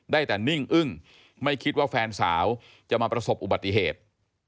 ได้แต่นิ่งอึ้งไม่คิดว่าแฟนสาวจะมาประสบอุบัติเหตุ